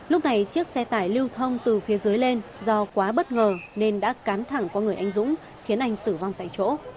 lúc này chiếc xe tải lưu thông từ phía dưới lên do quá bất ngờ nên đã cán thẳng qua người anh dũng khiến anh tử vong tại chỗ